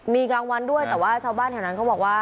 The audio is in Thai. มีกลางวันด้วยแต่ว่าชาวบ้านแถวนั้นเขาบอกว่า